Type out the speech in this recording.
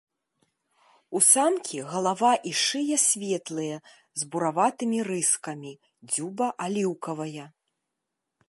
У самкі галава і шыя светлыя з бураватымі рыскамі, дзюба аліўкавая.